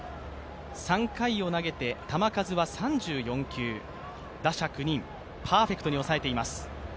３回を投げて球数は３４球、打者９人、パーフェクトに抑えています。